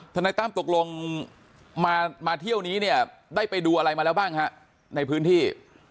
นายตั้มตกลงมาเที่ยวนี้เนี่ยได้ไปดูอะไรมาแล้วบ้างฮะในพื้นที่